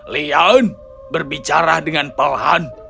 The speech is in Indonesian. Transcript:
lian berbicara dengan pelan